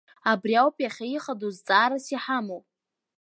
Абри ауп иахьа ихадоу зҵаарас иҳамоу.